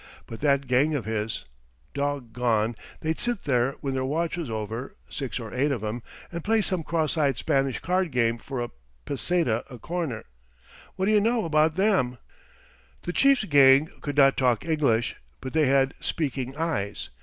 But that gang of his! "Doggone, they'd sit there when their watch was over, six or eight of 'em, and play some cross eyed Spanish card game for a peseta a corner. What d'y' know about them?" The chief's gang could not talk English, but they had speaking eyes.